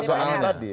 ini kan anggota dpr